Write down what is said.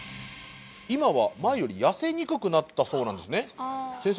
今は前より痩せにくくなったそうなんですね先生